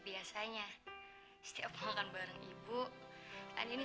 biasanya setiap makan bareng ibu andini